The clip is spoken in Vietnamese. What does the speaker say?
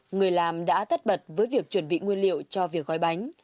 người làm đã tất bật với việc chuẩn bị nguyên liệu cho việc gói bánh